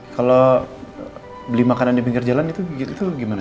kalau beli makanan di pinggir jalan itu gimana